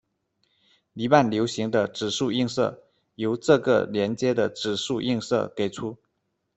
黎曼流形的指数映射由这个连接的指数映射给出。